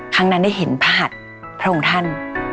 ครั้งนั้นได้เห็นพระหัสพระองค์ท่าน